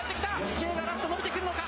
池江がラスト伸びてくるのか。